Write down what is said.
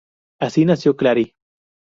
Así nació Clary.